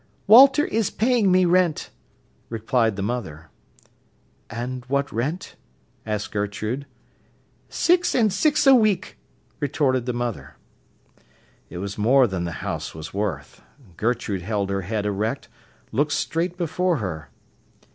"Walter is paying me rent," replied the mother. "And what rent?" asked Gertrude. "Six and six a week," retorted the mother. It was more than the house was worth. Gertrude held her head erect, looked straight before her.